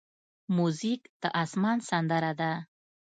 موزیک د آسمان سندره ده.